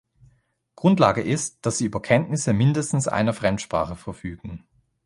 Grundlage ist, dass sie über Kenntnisse mindestens einer Fremdsprache verfügen.